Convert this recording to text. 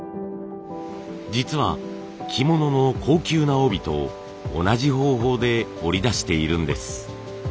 実は着物の高級な帯と同じ方法で織り出しているんです。